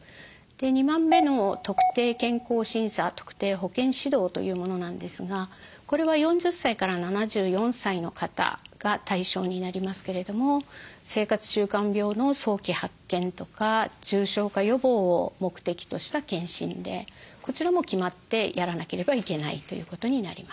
２番目の特定健康診査特定保健指導というものなんですがこれは４０歳から７４歳の方が対象になりますけれども生活習慣病の早期発見とか重症化予防を目的とした健診でこちらも決まってやらなければいけないということになります。